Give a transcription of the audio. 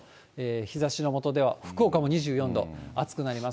日ざしの下では福岡も２４度、暑くなります。